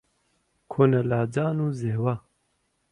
کۆنە لاجان و زێوە